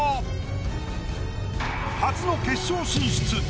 初の決勝進出